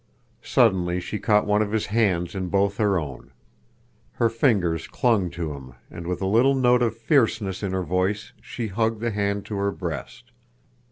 Suddenly she caught one of his hands in both her own. Her fingers clung to him, and with a little note of fierceness in her voice she hugged the hand to her breast.